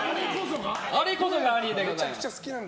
あれこそが「アニー」でございます。